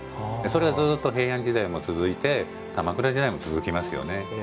それがずっと平安時代も続いて鎌倉時代も続きますよね。